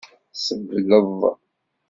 Sebleḍ.